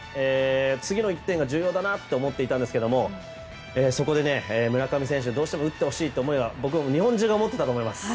次の１点が重要だなと思っていたんですがそこで村上選手どうしても打ってほしいと日本中も思っていたと思います。